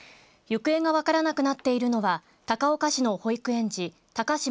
行方が分からなくなっているのは高岡市の保育園児高嶋